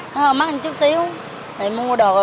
nó hơi mắc một chút xíu thì mua đồ lên thì bán lên một chút